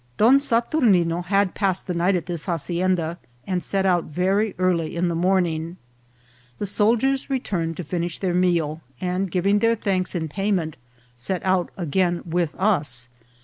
Don Saturnine had passed the night at this hacienda, and set out very early in the morning. The soldiers returned to finish their meal , and giving their thanks in payment, set out again with us.